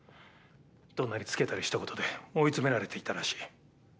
怒鳴りつけたりしたことで追い詰められていたらしい。